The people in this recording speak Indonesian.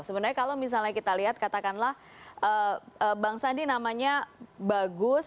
sebenarnya kalau misalnya kita lihat katakanlah bang sandi namanya bagus